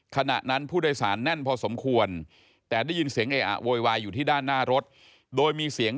ขณะนั้นผู้โดยสารแน่นพอสมควรแต่ได้ยินเสียงเออะโวยวายอยู่ที่ด้านหน้ารถโดยมีเสียง